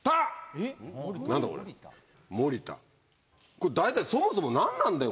これ大体そもそも何なんだよ。